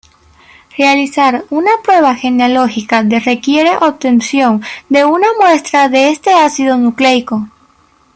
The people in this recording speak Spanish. Realizar una prueba genealógica de requiere obtención de una muestra de este ácido nucleico.